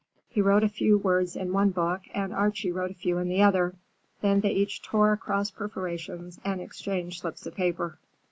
He wrote a few words in one book and Archie wrote a few in the other. Then they each tore across perforations and exchanged slips of paper.